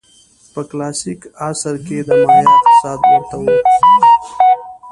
په کلاسیک عصر کې د مایا اقتصاد ورته و.